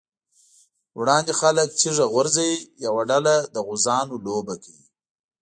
وړاندې خلک تيږه غورځوي، یوه ډله د غوزانو لوبه کوي.